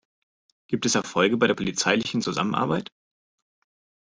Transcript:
Gibt es Erfolge bei der polizeilichen Zusammenarbeit?